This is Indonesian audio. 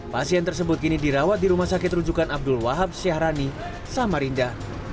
pasien tersebut kini dirawat di rumah sakit rujukan abdul wahab syahrani samarinda